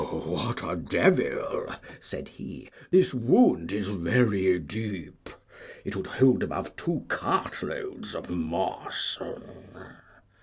What a devil! said he, this wound is very deep; it would hold above two cartloads of moss.